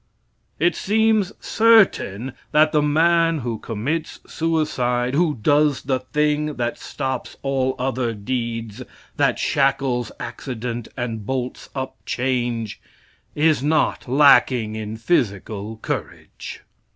It seems certain that the man who commits suicide, who "does the thing that stops all other deeds, that shackles accident and bolts up change," is not lacking in physical courage.